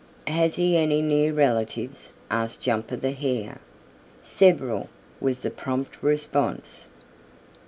"Has he any near relatives?" asked Jumper the Hare. "Several," was the prompt response.